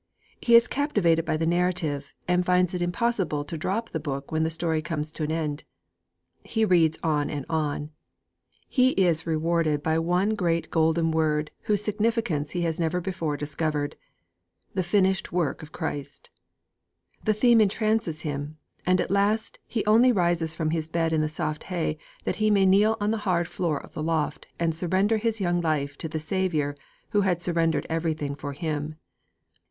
He is captivated by the narrative, and finds it impossible to drop the book when the story comes to an end. He reads on and on. He is rewarded by one great golden word whose significance he has never before discovered: 'The Finished Work of Christ!' The theme entrances him; and at last he only rises from his bed in the soft hay that he may kneel on the hard floor of the loft and surrender his young life to the Saviour who had surrendered everything for him.